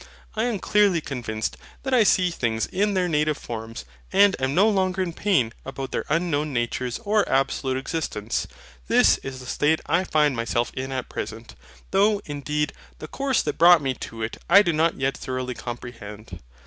I am clearly convinced that I see things in their native forms, and am no longer in pain about their UNKNOWN NATURES OR ABSOLUTE EXISTENCE. This is the state I find myself in at present; though, indeed, the course that brought me to it I do not yet thoroughly comprehend.